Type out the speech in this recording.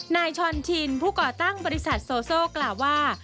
ช้อนชินผู้ก่อตั้งบริษัทโซ่กล่าวว่า